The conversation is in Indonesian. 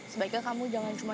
sebaiknya kamu jangan cuma